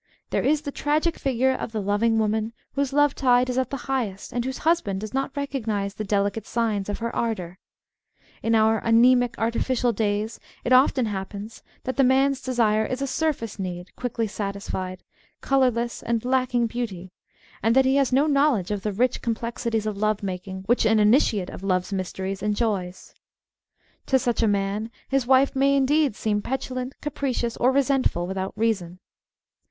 There is the tragic figure of the loving woman whose love tide is at the highest, and whose husband does not recognise the delicate signs of her ardour. In our anaemic artifi cial days it often happens that the man's desire is a surface need, quickly satisfied, colourless, and lacking beauty, and that he has no knowledge of the rich complexities of love making which an initiate of love's mysteries enjoys. To such a man his wife may indeed seem petulant, capricious, or resentful without reason.